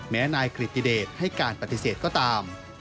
นายกริติเดชให้การปฏิเสธก็ตาม